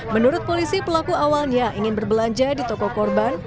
menurut polisi pelaku awalnya ingin berbelanja di toko korban